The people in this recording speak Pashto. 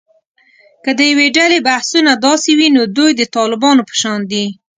که د یوې ډلې بحثونه داسې وي، نو دوی د طالبانو په شان دي